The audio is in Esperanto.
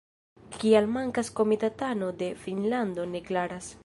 Kial mankas komitatano de Finnlando ne klaras.